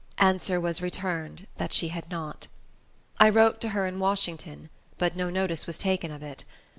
Answer was returned that she had not. I wrote to her in Washington; but no notice was taken of it.